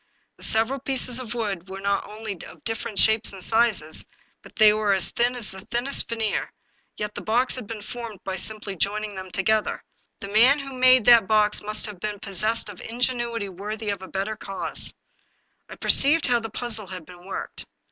The several pieces of wood were not only of different shapes and sizes, but they were as thin as the thinnest veneer ; yet the box had been formed by simply joining them together. The man who made that box must have been possessed of ingenuity worthy of a better cause. I perceived how the puzzle had been worked.